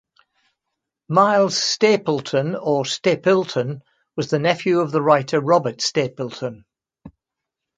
Miles Stapleton or Stapylton was the nephew of the writer Robert Stapylton.